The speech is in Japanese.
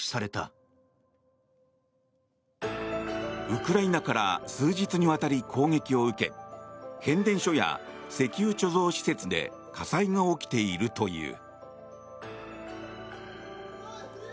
ウクライナから数日にわたり攻撃を受け変電所や石油貯蔵施設で火災が起きているという。